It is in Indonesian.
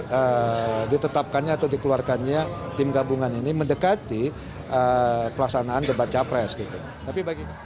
karena ditetapkannya atau dikeluarkannya tim gabungan ini mendekati pelaksanaan debat capres gitu